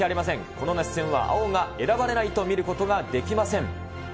この熱戦は青が選ばれないと見ることができません。